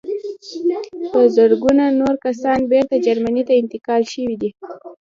په زرګونه نور کسان بېرته جرمني ته انتقال شوي دي